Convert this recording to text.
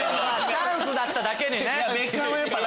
チャンスだっただけに。